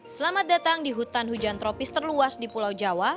selamat datang di hutan hujan tropis terluas di pulau jawa